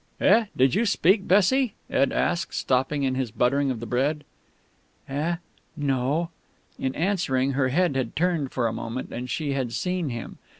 "Eh? Did you speak, Bessie?" Ed asked, stopping in his buttering of bread. "Eh?... No." In answering, her head had turned for a moment, and she had seen him.